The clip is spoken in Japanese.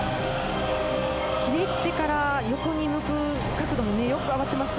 ひねってから横に向く角度、よく合わせました。